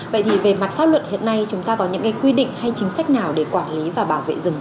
vậy thì về mặt pháp luật hiện nay chúng ta có những quy định hay chính sách nào để quản lý và bảo vệ rừng